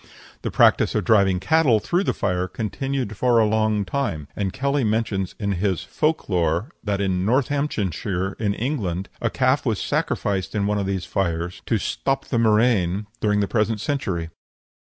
The practice of driving cattle through the fire continued for a longtime, and Kelly mentions in his "Folk lore" that in Northamptonshire, in England, a calf was sacrificed in one of these fires to "stop the murrain" during the present century.